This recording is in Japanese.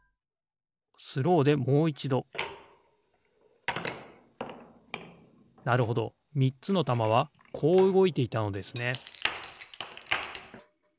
スローでもういちどなるほどみっつのたまはこううごいていたのですね